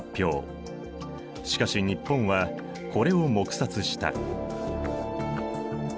しかし日本はこれを黙殺した。